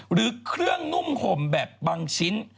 หรือเครื่องนุ่มห่มแบบบางชิ้น